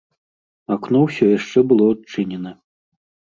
Акно ўсё яшчэ было адчынена.